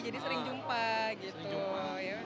jadi sering jumpa gitu